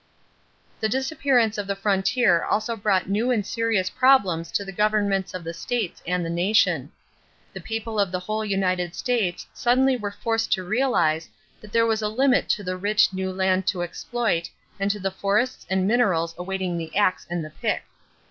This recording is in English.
= The disappearance of the frontier also brought new and serious problems to the governments of the states and the nation. The people of the whole United States suddenly were forced to realize that there was a limit to the rich, new land to exploit and to the forests and minerals awaiting the ax and the pick.